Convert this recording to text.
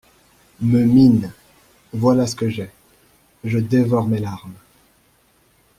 me mine !… voilà ce que j’ai ! je dévore mes larmes !….